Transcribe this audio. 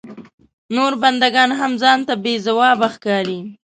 نور بنده ګان هم ځان ته بې ځوابه ښکاري.